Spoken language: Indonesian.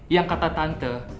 yang kata tante